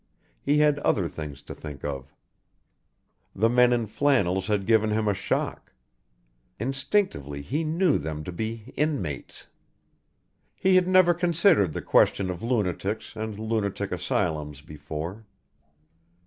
He had other things to think of. The men in flannels had given him a shock. Instinctively he knew them to be "inmates." He had never considered the question of lunatics and lunatic asylums before.